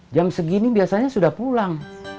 jam segini biasanya sudah pulang